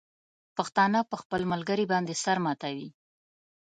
پښتانه په خپل ملګري باندې سر ماتوي.